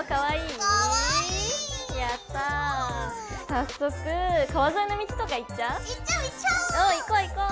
早速川沿いの道とか行っちゃう？